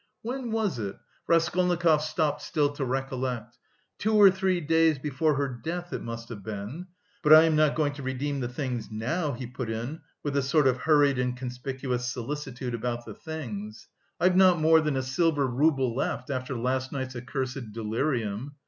"When was it?" Raskolnikov stopped still to recollect. "Two or three days before her death it must have been. But I am not going to redeem the things now," he put in with a sort of hurried and conspicuous solicitude about the things. "I've not more than a silver rouble left... after last night's accursed delirium!"